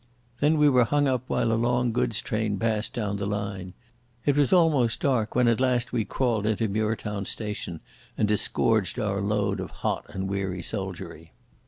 Then we were hung up while a long goods train passed down the line. It was almost dark when at last we crawled into Muirtown station and disgorged our load of hot and weary soldiery.